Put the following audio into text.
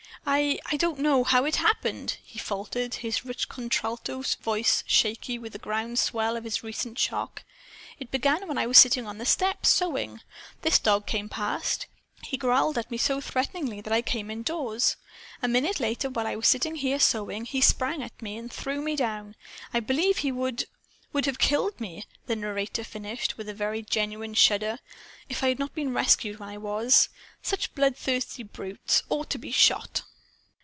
"I I don't know how it happened," he faltered, his rich contralto voice shaky with the ground swells of his recent shock. "It began when I was sitting on the steps, sewing. This dog came past. He growled at me so threateningly that I came indoors. A minute later, while I was sitting here sewing, he sprang at me and threw me down. I believe he would would have killed me," the narrator finished, with a very genuine shudder, "if I had not been rescued when I was. Such bloodthirsty brutes ought to be shot!"